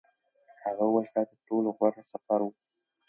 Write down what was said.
هغه وویل چې دا تر ټولو غوره سفر و.